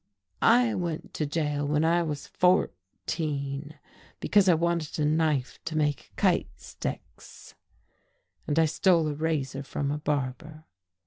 "I went to jail when I was fourteen because I wanted a knife to make kite sticks, and I stole a razor from a barber.